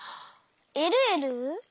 えるえる！